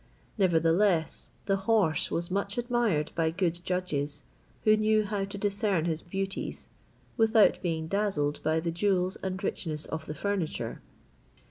Nevertheless the horse was much admired by good judges, who knew how to discern his beauties, without being dazzled by the jewels and richness of the furniture.